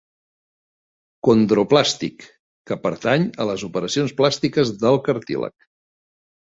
"Condroplàstic": que pertany a les operacions plàstiques del cartílag.